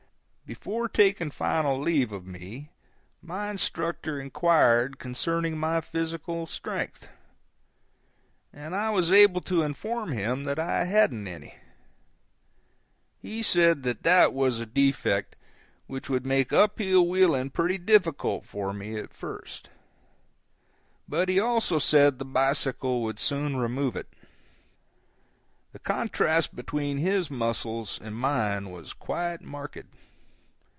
Before taking final leave of me, my instructor inquired concerning my physical strength, and I was able to inform him that I hadn't any. He said that that was a defect which would make up hill wheeling pretty difficult for me at first; but he also said the bicycle would soon remove it. The contrast between his muscles and mine was quite marked.